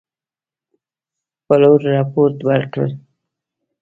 پلور رپوټ ورکړ.